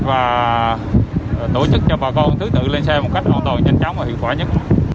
và tổ chức cho bà con thứ tự lên xe một cách an toàn nhanh chóng và hiệu quả nhất